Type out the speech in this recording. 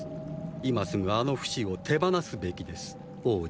今すぐあのフシを手放すべきです王子。